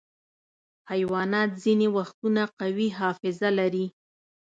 حیوانات ځینې وختونه قوي حافظه لري.